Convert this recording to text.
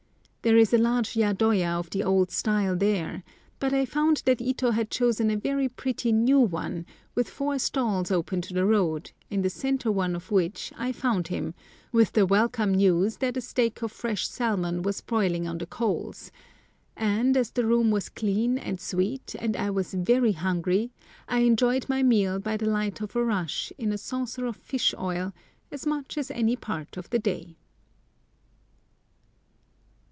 There is a large yadoya of the old style there; but I found that Ito had chosen a very pretty new one, with four stalls open to the road, in the centre one of which I found him, with the welcome news that a steak of fresh salmon was broiling on the coals; and, as the room was clean and sweet and I was very hungry, I enjoyed my meal by the light of a rush in a saucer of fish oil as much as any part of the day.